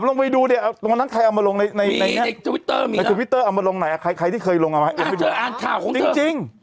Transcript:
อ่ะลงไปดูเดี่ยางานนั้นในทวิเตอร์ไม่ถึงสนุกมากแม่ง